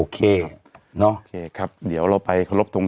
เราก็มีความหวังอะ